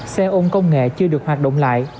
xe ôn công nghệ chưa được hoạt động lại